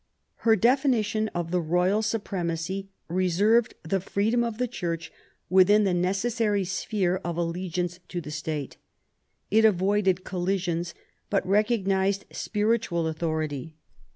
Her definition of the royal supremacy reserved the freedom of the Church within the necessary sphere of allegiance to the State. It avoided collisions, but recognised spiritual authority.